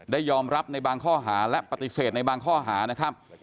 ยอมรับในบางข้อหาและปฏิเสธในบางข้อหานะครับ